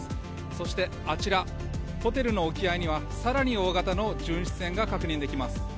そして、あちらホテルの沖合には更に大型の巡視船が確認できます。